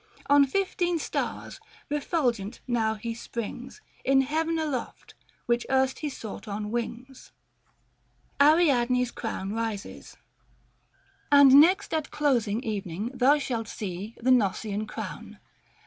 On fifteen stars, refulgent, now he springs, 495 In heaven aloft which erst he sought on wings. OCT. ID. MART. ARIADNE S CROWN RISES. And next at closing evening thou shalt see The Gnossian Crown.